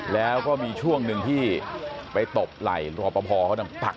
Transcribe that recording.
แล้วก็มีช่วงหนึ่งที่ไปตบไหลโรปพอเขาต้องปัก